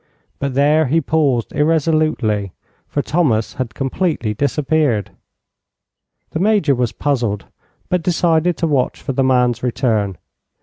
But there he paused irresolutely, for Thomas had completely disappeared. The Major was puzzled, but decided to watch for the man's return.